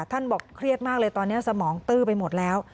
บอกเครียดมากเลยตอนนี้สมองตื้อไปหมดแล้ว